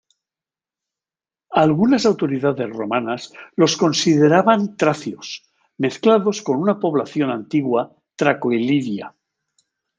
Algunas autoridades romanas los consideraban tracios, mezclados con una población antigua traco-iliria.